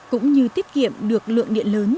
cũng như tiết kiệm được lượng điện lớn